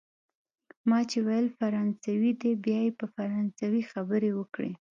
ما چي ویل فرانسوی دی، بیا یې په فرانسوي خبرې وکړې.